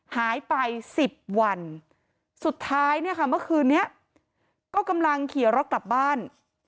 หายไปสิบวันสุดท้ายเนี่ยค่ะเมื่อคืนนี้ก็กำลังขี่รถกลับบ้าน